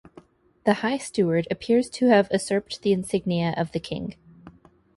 The high steward appears to have usurped the insignia of the king.